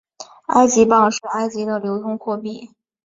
埃及镑是埃及的流通货币。